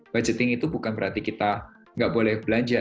budgeting itu bukan berarti kita nggak boleh belanja